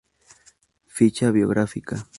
Ficha biográfica.